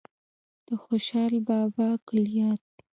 د خوشال بابا کلیات